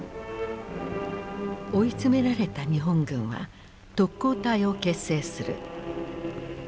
追い詰められた日本軍は特攻隊を結成する。